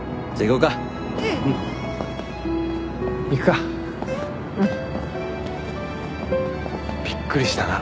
うん。びっくりしたな。